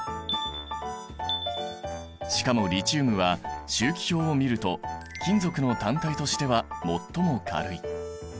しかもリチウムは周期表を見ると金属の単体としては最も軽い。